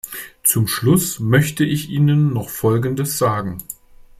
Zum Schluss möchte ich Ihnen noch Folgendes sagen.